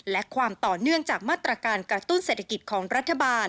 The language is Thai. และความต่อเนื่องจากมาตรการกระตุ้นเศรษฐกิจของรัฐบาล